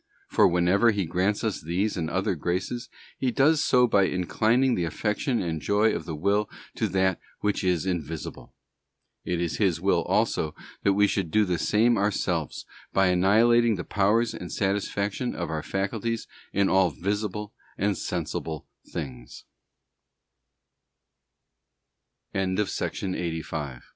For whenever He grants us these and other graces, He does so by inclining the affection and joy of the will to that which is invisible. It is His Will also that we should do the same ourselves, by annihilating the powers and satisfaction of our faculties in all v